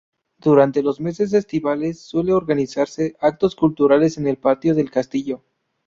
Durante los meses estivales suelen organizarse actos culturales en el patio del castillo.